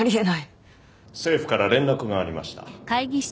政府から連絡がありました。